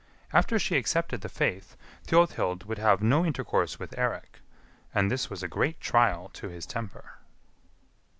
After she accepted the faith, Thjodhild would have no intercourse with Eirik, and this was a great trial to his temper.